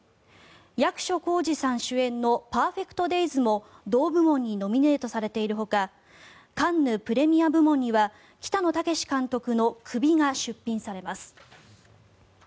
役所広司さん主演の「パーフェクトデイズ」も同部門にノミネートされているほかカンヌ・プレミア部門には北野武監督の「首」が出品されます。